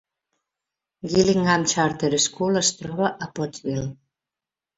Gillingham Charter School es troba a Pottsville.